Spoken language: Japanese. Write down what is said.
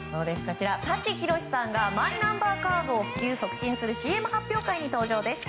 舘ひろしさんがマイナンバーカードを普及・促進するＣＭ発表会に登場です。